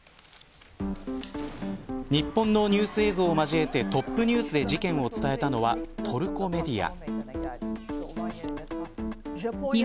日本のニュース映像を交えてトップニュースで事件を伝えたのはトルコメディア。